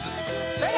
正解